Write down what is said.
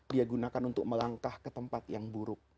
dia gunakan untuk melangkah ke tempat yang buruk